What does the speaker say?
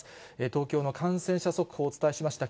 東京の感染者速報をお伝えしました。